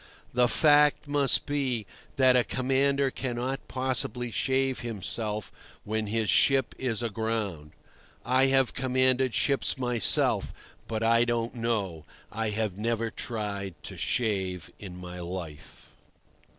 The fact must be that a commander cannot possibly shave himself when his ship is aground. I have commanded ships myself, but I don't know; I have never tried to shave in my life.